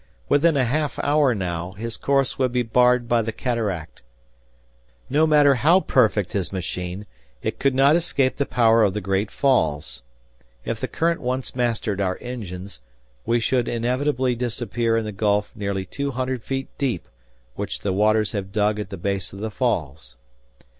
Within a half hour now, his course would be barred by the cataract. No matter how perfect his machine, it could not escape the power of the great falls. If the current once mastered our engines, we should inevitably disappear in the gulf nearly two hundred feet deep which the waters have dug at the base of the falls!